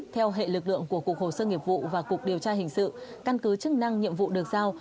theo hệ lực lượng của cục hồ sơ nghiệp vụ và cục điều tra hình sự căn cứ chức năng nhiệm vụ được giao